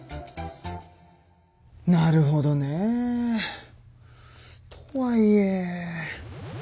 なるほどね。とはいえ。